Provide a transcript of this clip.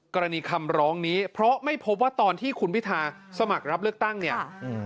กรณีคำร้องนี้เพราะไม่พบว่าตอนที่คุณพิธาสมัครรับเลือกตั้งเนี่ยอืม